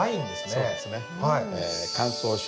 そうですね。